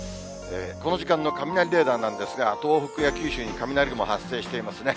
この時間の雷レーダーなんですが、東北や九州に雷雲、発生していますね。